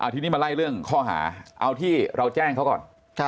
ทีนี้มาไล่เรื่องข้อหาเอาที่เราแจ้งเขาก่อน